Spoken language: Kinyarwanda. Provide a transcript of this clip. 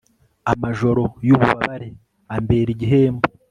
amajoro y'ububabare ambera igihembo